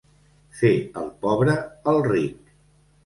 Fer el pobre, el ric.